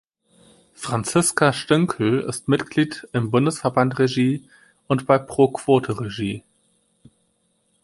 Franziska Stünkel ist Mitglied im Bundesverband Regie und bei Pro Quote Regie.